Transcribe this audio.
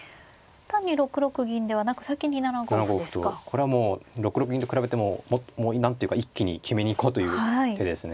これはもう６六銀と比べてももう何というか一気に決めに行こうという手ですね。